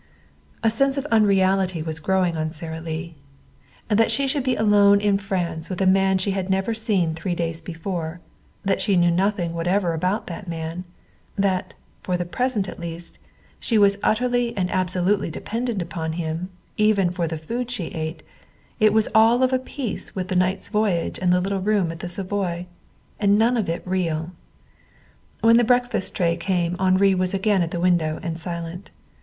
A sense of unreality was growing on Sara Lee. That she should be alone in France with a man she had never seen three days before; that she knew nothing whatever about that man; that, for the present at least, she was utterly and absolutely dependent on him, even for the food she ate it was all of a piece with the night's voyage and the little room at the Savoy. And it was none of it real. When the breakfast tray came Henri was again at the window and silent.